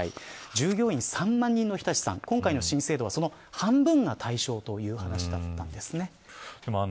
従業員３万人の日立さん、今回の新制度はその半分が対象という話でした。